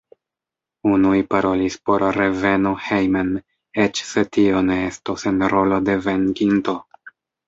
Unuj parolis por reveno hejmen eĉ se tio ne estos en rolo de venkinto.